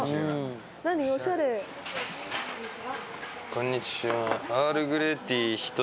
こんにちは。